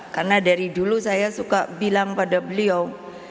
karena dari dulu saya suka bilang pada beliau